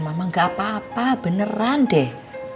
mama gak apa apa beneran deh